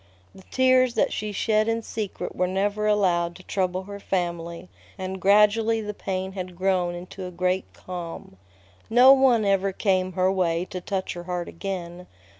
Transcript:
The tears that she shed in secret were never allowed to trouble her family, and gradually the pain had grown into a great calm. No one ever came her way to touch her heart again.